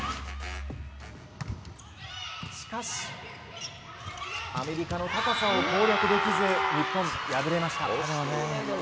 しかし、アメリカの高さを攻略できず日本敗れました。